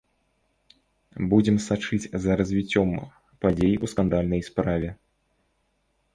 Будзем сачыць за развіццём падзей у скандальнай справе.